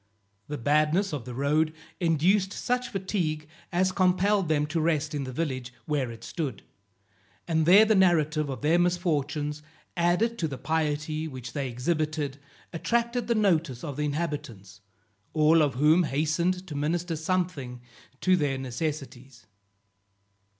The badness of the road induced such fatigue as compelled them to rest in the village where it stood, and there the narrative of their misfortunes, added to the piety which they exhibited, attracted the notice of the inhabitants, all of whom hastened to minister something to their necessities.